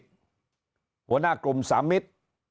หัวหน้ากลุ่มสามิตร